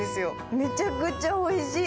めちゃくちゃおいしい。